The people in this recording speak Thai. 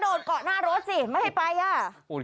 กระโดดเกาะหน้ารถสิไม่ให้ไปอ่ะ